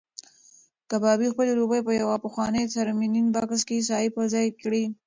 کبابي خپلې روپۍ په یو پخواني څرمنین بکس کې ځای پر ځای کړې.